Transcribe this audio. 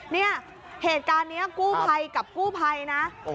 เนี่ยเหตุการณ์นี้กู้ภัยกับกู้ภัยนะ